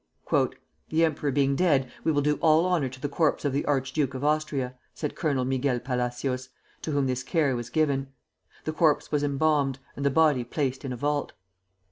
"The emperor being dead, we will do all honor to the corpse of the Archduke of Austria," said Colonel Miguel Palacios, to whom this care was given. The corpse was embalmed, and the body placed in a vault.